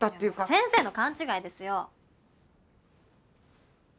先生の勘違いですよ！